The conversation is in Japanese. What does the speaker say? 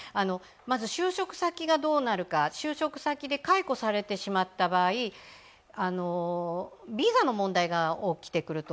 まず就職先がどうなるか就職先で解雇されてしまった場合ビザの問題が起きてくる。